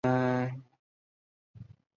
宋卡府是泰国南部其中的一个府。